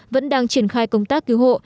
vẫn đang triển khai công tác cứu hộ